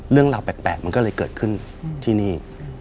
เรื่องราวแปลกมันก็เลยเกิดขึ้นที่นี่